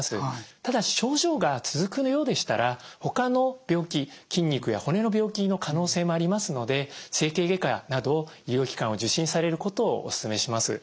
ただし症状が続くようでしたらほかの病気筋肉や骨の病気の可能性もありますので整形外科など医療機関を受診されることをおすすめします。